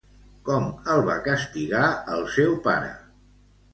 Com el va castigar el seu pare?